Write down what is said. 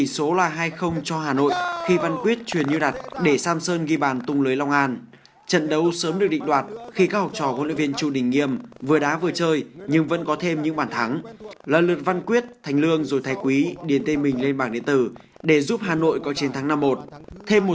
xin chào và hẹn gặp lại trong các bản tin tiếp theo